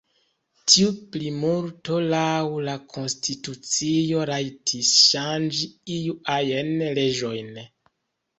Tiu plimulto laŭ la konstitucio rajtis ŝanĝi iu ajn leĝojn.